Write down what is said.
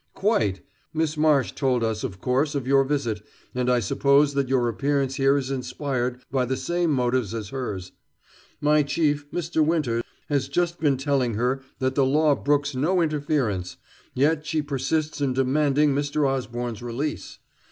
"Quite. Miss Marsh told us, of course, of your visit, and I suppose that your appearance here is inspired by the same motive as hers. My chief, Mr. Winter, has just been telling her that the law brooks no interference, yet she persists in demanding Mr. Osborne's release.